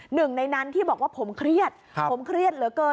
หนึ่งในนั้นที่บอกว่าผมเครียดผมเครียดเหลือเกิน